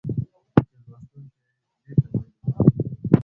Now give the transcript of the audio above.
چې لوستونکى دې ته مجبور وي